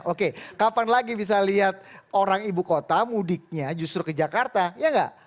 oke kapan lagi bisa lihat orang ibu kota mudiknya justru ke jakarta ya nggak